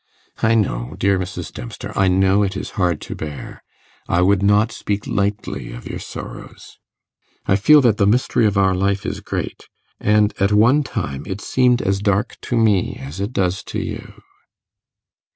I know, dear Mrs. Dempster, I know it is hard to bear. I would not speak lightly of your sorrows. I feel that the mystery of our life is great, and at one time it seemed as dark to me as it does to you.